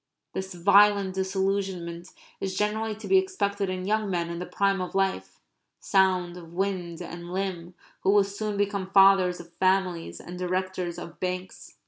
(This violent disillusionment is generally to be expected in young men in the prime of life, sound of wind and limb, who will soon become fathers of families and directors of banks.)